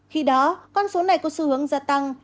khi đó con số này có xu hướng gia tăng